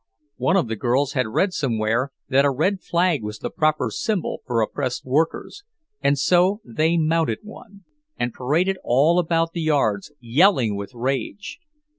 One of the girls had read somewhere that a red flag was the proper symbol for oppressed workers, and so they mounted one, and paraded all about the yards, yelling with rage.